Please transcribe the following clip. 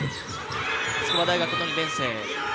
筑波大学の２年生。